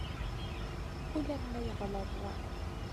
Ulamma yeɣleḍ.